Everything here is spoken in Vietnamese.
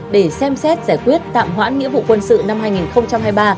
để xem xét giải quyết tạm hoãn nghĩa vụ quân sự năm hai nghìn hai mươi ba